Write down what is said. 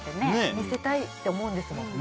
見せたいって思うんですね。